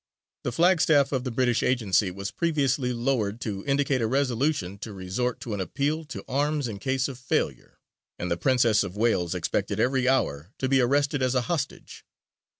The flagstaff of the British Agency was previously lowered to indicate a resolution to resort to an appeal to arms in case of failure, and the Princess of Wales expected every hour to be arrested as a hostage.